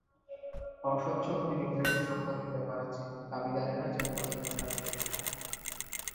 অস্বচ্ছভাবে নির্ধারিত সম্পদের ব্যাপার আছে, দাবিদারেরা যার মালিকানা দাবি করতে পারে।